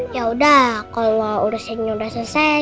yaudah kalau urusinnya udah selesai